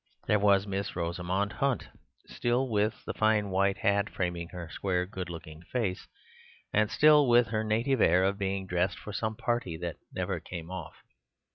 There was Miss Rosamund Hunt, still with the fine white hat framing her square, good looking face, and still with her native air of being dressed for some party that never came off.